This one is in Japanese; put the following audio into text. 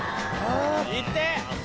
いって！